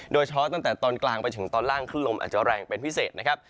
ตั้งแต่ตอนกลางไปถึงตอนล่างขึ้นลมอาจจะแรงเป็นพิเศษนะครับ